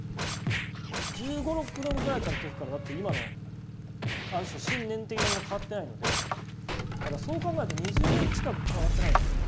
１５１６ぐらいの時からだって今のある種信念的なもの変わってないのでそう考えると２０年近く変わってないですよ。